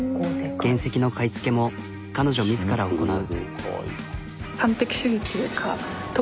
原石の買い付けも彼女自ら行なう。